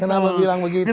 kenapa dibilang begitu